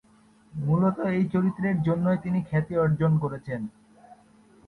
মূলত এই চরিত্রের জন্যই তিনি খ্যাতি অর্জন করেছেন।